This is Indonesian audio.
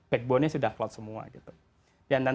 backbone nya sudah cloud semua gitu